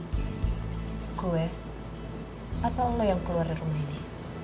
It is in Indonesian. gue atau allah yang keluar dari rumah ini